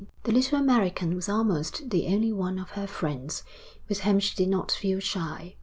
The little American was almost the only one of her friends with whom she did not feel shy.